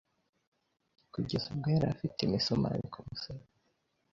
Kugeza ubwo yari afite imisumari ku musaraba